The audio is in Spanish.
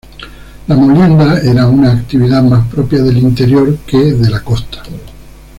La molienda era una actividad más propia del interior que de la costa.